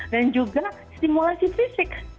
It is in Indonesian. dan juga stimulasi fisik